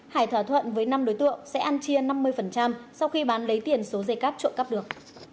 hải thỏa thuận với năm đối tượng sẽ ăn chia năm mươi sau khi bán lấy tiền số dây cáp trộm cắp được